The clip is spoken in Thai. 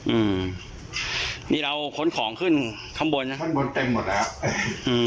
อืมนี่เราค้นของขึ้นข้างบนนะครับข้างบนเต็มหมดแล้วอืม